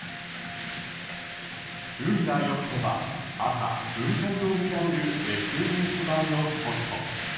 運が良ければ朝、雲海を見られるＳＮＳ映えのスポット。